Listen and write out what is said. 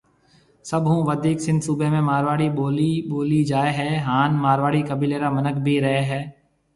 سڀ هون وڌيڪ سنڌ صُوبَي ۾ مارواڙي ٻولي ٻولي جائي هيَ هانَ مارواڙي قيبيلي را مِنک بهيَ رهيَن هيَ۔